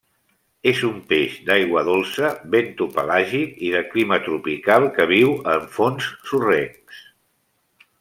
És un peix d'aigua dolça, bentopelàgic i de clima tropical que viu en fons sorrencs.